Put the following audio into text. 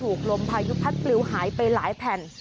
ลมพายุพัดปลิวหายไปหลายแผ่น